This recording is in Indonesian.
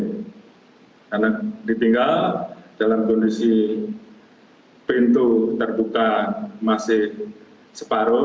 karena ditinggal dalam kondisi pintu terbuka masih separoh